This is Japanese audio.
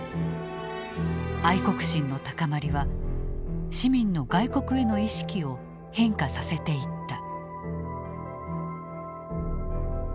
愛国心の高まりは市民の外国への意識を変化させていった。